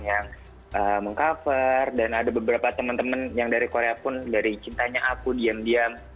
yang meng cover dan ada beberapa teman teman yang dari korea pun dari cintanya aku diam diam